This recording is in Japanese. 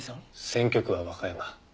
選挙区は和歌山。